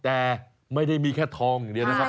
แต่ไม่ได้มีแค่ทองอย่างเดียวนะครับ